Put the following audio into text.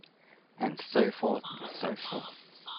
And so forth and so forth.